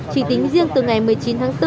chỉ tính riêng từ ngày một mươi chín tháng bốn